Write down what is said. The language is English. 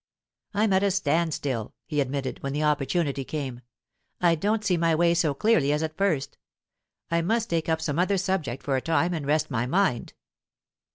"I'm at a stand still," he admitted, when the opportunity came. "I don't see my way so clearly as at first. I must take up some other subject for a time, and rest my mind."